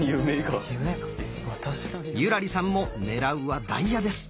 優良梨さんも狙うはダイヤです。